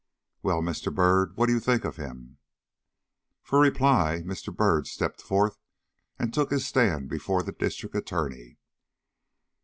"Well, Byrd, what do you think of him?" For reply, Mr. Byrd stepped forth and took his stand before the District Attorney.